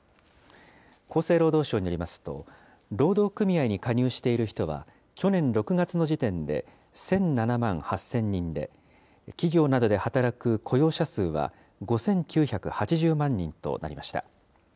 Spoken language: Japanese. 厚生労働省によりますと、労働組合に加入している人は去年６月の時点で１００７万８０００人で、企業などで働く雇用者数は５９８０万人となりました。